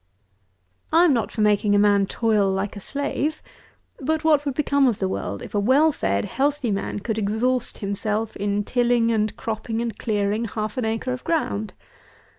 I am not for making a man toil like a slave; but what would become of the world, if a well fed healthy man could exhaust himself in tilling and cropping and clearing half an acre of ground?